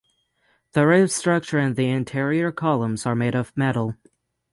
The roof structure and the interior columns are made of metal.